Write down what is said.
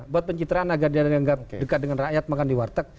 buat pencitraan agar dia dianggap dekat dengan rakyat makan di warteg